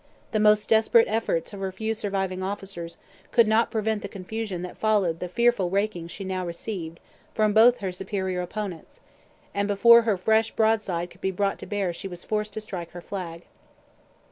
The most desperate efforts of her few surviving officers could not prevent the confusion that followed the fearful raking she now received from both her superior opponents; and before her fresh broadside could be brought to bear she was forced to strike her flag.